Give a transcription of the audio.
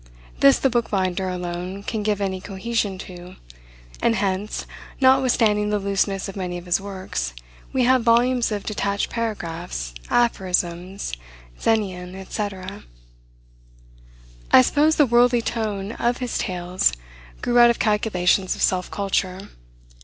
This the bookbinder alone can give any cohesion to: and, hence, notwithstanding the looseness of many of his works, we have volumes of detached paragraphs, aphorisms, xenien, etc. I suppose the worldly tone of his tales grew out of the calculations of self culture.